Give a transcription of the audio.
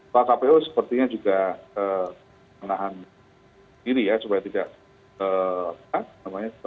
soal kpu sepertinya juga menahan diri ya supaya tidak